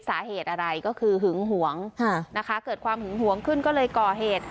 สาเหตุอะไรก็คือหึงหวงนะคะเกิดความหึงหวงขึ้นก็เลยก่อเหตุ